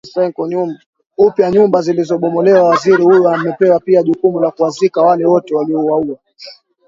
upya nyumba zilizobomolewa waziri huyo amepewa pia jukumu la kuwazika wale wote waliouwawa